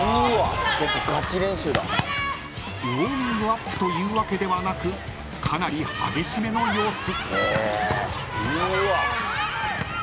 ［ウオーミングアップというわけではなくかなり激しめの様子］